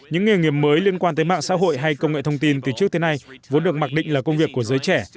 những nghề nghiệp mới liên quan tới mạng xã hội hay công nghệ thông tin từ trước tới nay vốn được mặc định là công việc của giới trẻ